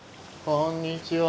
こんにちは。